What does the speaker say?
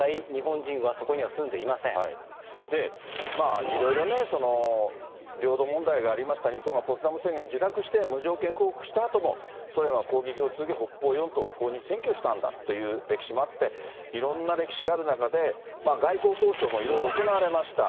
ただ、現在、いろいろね、領土問題がありました、日本がポツダム宣言を受諾して無条件降伏したあとも、ソ連は攻撃を続け、北方四島を不法に占拠したんだという歴史もあって、いろんな歴史がある中で外交交渉もいろいろ行われました。